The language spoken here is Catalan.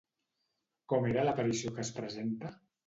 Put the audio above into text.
Com era l'aparició que es presenta?